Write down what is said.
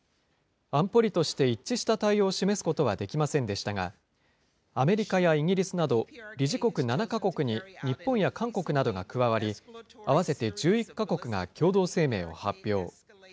安保理として一致した対応を示すことはできませんでしたが、アメリカやイギリスなど理事国７か国に日本や韓国などが加わり、合わせて１１か国が共同声明を発表。